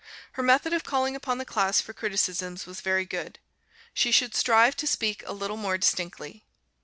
Her method of calling upon the class for criticisms was very good. She should strive to speak a little more distinctly.